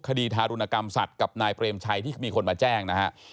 คดีทารุณกรรมสัตว์กับนายเปรมชัยที่มีคนมาแจ้งนะฮะ